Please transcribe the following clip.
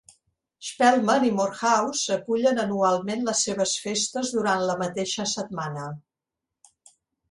Spelman i Morehouse acullen anualment les seves festes durant la mateixa setmana.